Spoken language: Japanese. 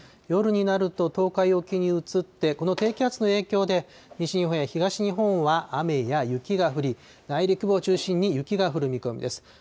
夜になると東海沖に移って、この低気圧の影響で、西日本や東日本は雨や雪が降り、内陸部を中心に雪が降る見込みです。